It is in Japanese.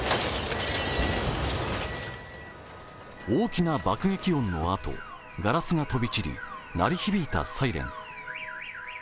大きな爆撃音のあと、ガラスが飛び散り鳴り響いたサイレン。